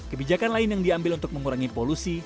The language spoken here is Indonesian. kebijakan lain yang diambil untuk mengurangi polusi